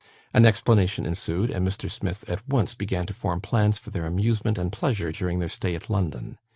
An explanation ensued, and Mr. Smith at once began to form plans for their amusement and pleasure during their stay in London.